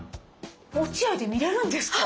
落合で見れるんですか！